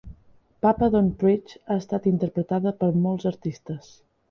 "Papa Don't Preach" ha estat interpretada per molts artistes.